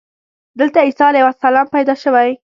دلته عیسی علیه السلام پیدا شوی.